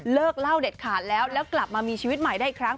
เล่าเด็ดขาดแล้วแล้วกลับมามีชีวิตใหม่ได้อีกครั้ง